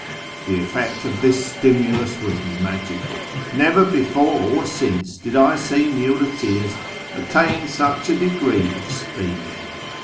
The effect of this stimulus was magical. Never before or since did I see muleteers attain such a degree of speed.